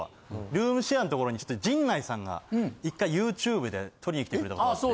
ルームシェアのところにちょっと陣内さんが１回ＹｏｕＴｕｂｅで撮りに来てくれた事があって。